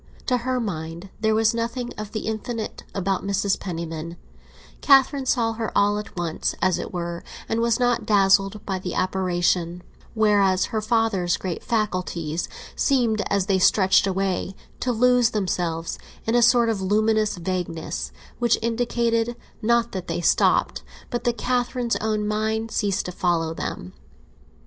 To her mind there was nothing of the infinite about Mrs. Penniman; Catherine saw her all at once, as it were, and was not dazzled by the apparition; whereas her father's great faculties seemed, as they stretched away, to lose themselves in a sort of luminous vagueness, which indicated, not that they stopped, but that Catherine's own mind ceased to follow them.